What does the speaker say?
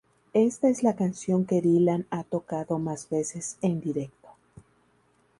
Esta es la canción que Dylan ha tocado más veces en directo.